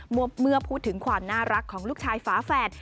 เมื่อพูดถึงความน่ารักของลูกชายฝาแฝด